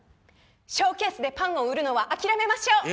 ショーケースでパンを売るのは諦めましょう！